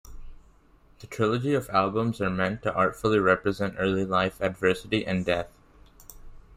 The trilogy of albums are meant to artfully represent early life, adversity, and death.